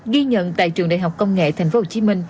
ghi nhận tại trường đại học công nghệ tp hcm